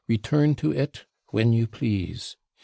Return to it when you please.'